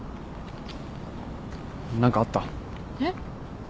何かあった？えっ？